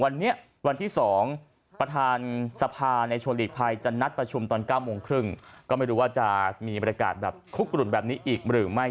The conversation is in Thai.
และวันที่๒ประธานสภาในชวนฤทธิภัยจะนัดประชุมตอน๙๓๐ก็ไม่รู้ว่าจะมีบริการหลุดคลุกหลุดแบบนี้อีกหรือไม่